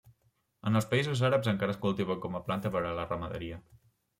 En els països àrabs encara es cultiva com a planta per a la ramaderia.